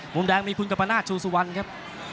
มุมแดงมีคุณกัปนาศชูสุวรรณครับ